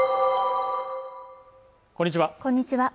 こんにちは